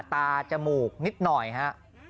จมูกนิดหน่อยฮะ